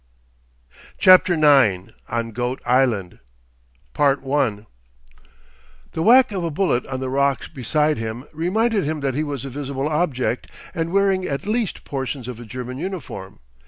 CHAPTER IX. ON GOAT ISLAND 1 The whack of a bullet on the rocks beside him reminded him that he was a visible object and wearing at least portions of a German uniform.